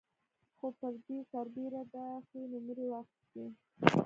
خو پر دې سربېره ده ښې نومرې واخيستې.